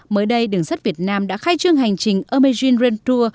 mới đây đường sắt việt nam đã khai trương hành trình imagine rentour